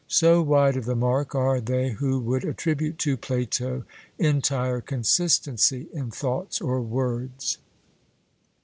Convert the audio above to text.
So wide of the mark are they who would attribute to Plato entire consistency in thoughts or words.